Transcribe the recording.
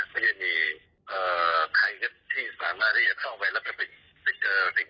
พวกน้านตรงนี้เขาจะมีคาถา